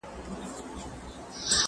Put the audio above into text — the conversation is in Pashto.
د ادب په تقریباً هره ساحه کي `